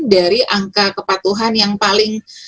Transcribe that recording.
dari angka kepatuhan yang paling